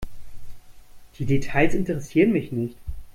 Die Details interessieren mich nicht.